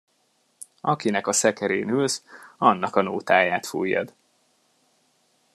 Akinek a szekerén ülsz, annak a nótáját fújjad.